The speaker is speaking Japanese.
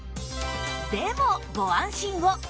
でもご安心を！